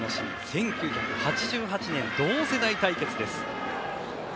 １９８８年同世代対決です。